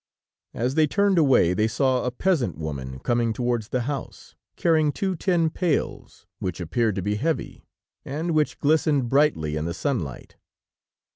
As they turned away, they saw a peasant woman coming towards the house, carrying two tin pails, which appeared to be heavy, and which glistened brightly in the sunlight.